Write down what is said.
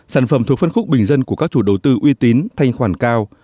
sản phẩm thuộc phân khúc bình dân của các chủ đầu tư uy tín thanh khoản cao